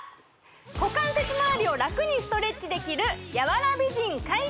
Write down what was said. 股関節まわりをラクにストレッチできるえっ何？